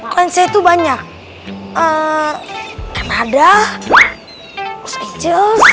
keren saya itu banyak eh ada oh ya dari singapura ya ya oh maaf ya kalau mau